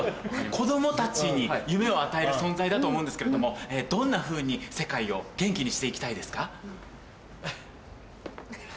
子供たちに夢を与える存在だと思うんですけれどもどんなふうに世界を元気にしていきたいですか？